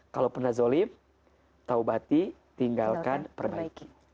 kalau pernah zolim taubati tinggalkan perbaiki